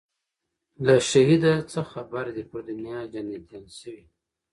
له شهیده څه خبر دي پر دنیا جنتیان سوي